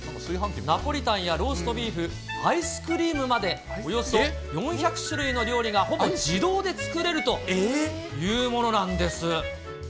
ナポリタンやローストビーフ、アイスクリームまで、およそ４００種類の料理がほぼ自動で作れるというものなんです。